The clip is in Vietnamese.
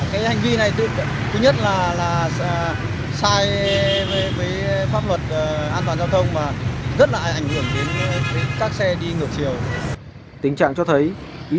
cái hành vi này thứ nhất là sai với pháp luật an toàn giao thông và rất là ảnh hưởng đến các xe đi ngược chiều